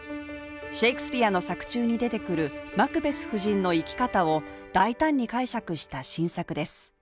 シェークスピアの作中に出てくる、マクベス夫人の生き方を大胆に解釈した新作です。